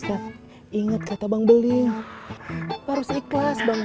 akhir akhir memandang mungkin kita bro